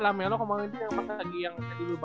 kalau melo kemaren tadi yang